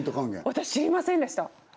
私知りませんでした